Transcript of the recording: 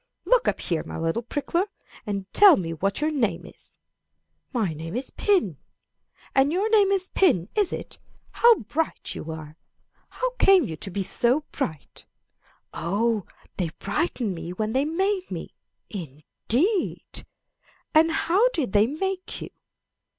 "'Look up here, my little prickler, and tell me what your name is. My name is pin. Ah, your name is pin, is it? How bright you are! How came you to be so bright? Oh, they brightened me when they made me. Indeed! And how did they make you?